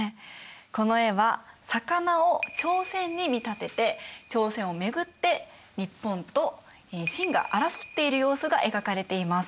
この絵は魚を朝鮮に見立てて朝鮮を巡って日本と清が争っている様子が描かれています。